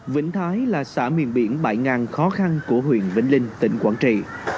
vĩnh thái là xã miền biển bãi ngang khó khăn của huyện vĩnh linh tỉnh quảng trị